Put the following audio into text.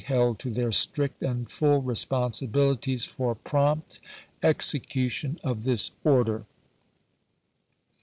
'r. held to their strict and full responsibilities for Vol. v., . p T • 1 p. 41. prompt execution of this order."